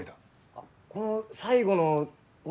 あっこの最後のこれ。